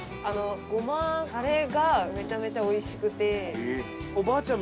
ごまタレがめちゃめちゃおいしくて。